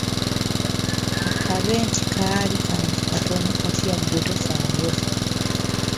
Ka kabe nti kaali kantu katono katya ggwe tofaayo!